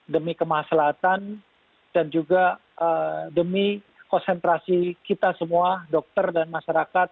demi kemaslahatan dan juga demi konsentrasi kita semua dokter dan masyarakat